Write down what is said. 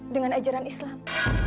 dengan ajaran islam